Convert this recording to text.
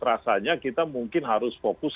rasanya kita mungkin harus fokus